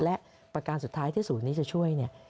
และประการสุดท้ายที่สูตรนี้จะช่วย